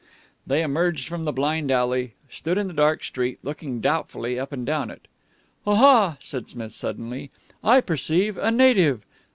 They emerged from the blind alley and stood in the dark street, looking doubtfully up and down it. "Aha!" said Smith suddenly. "I perceive a native.